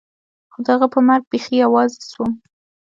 خو د هغه په مرګ بيخي يوازې سوم.